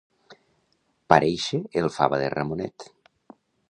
Paréixer el fava de Ramonet.